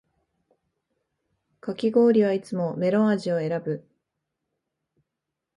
かき氷はいつもメロン味を選ぶ